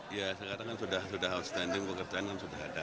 ya saya kata kan sudah outstanding pekerjaan kan sudah ada